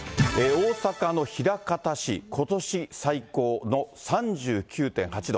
大阪の枚方市、ことし最高の３９．８度。